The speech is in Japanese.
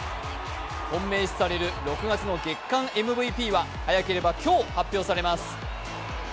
本命視される６月の月間ＭＶＰは早ければ今日発表されます。